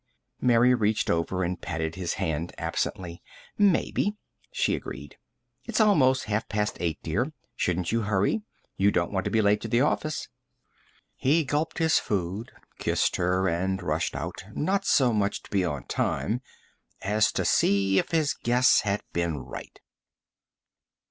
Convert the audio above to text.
Mary reached over and patted his hand absently. "Maybe," she agreed. "It's almost half past eight, dear. Shouldn't you hurry? You don't want to be late to the office." He gulped his food, kissed her and rushed out not so much to be on time as to see if his guess had been right.